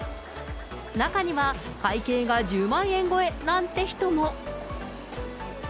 中には、会計が１０万円超えなんて人も。